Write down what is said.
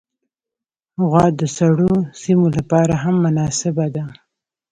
غوا د سړو سیمو لپاره هم مناسبه ده.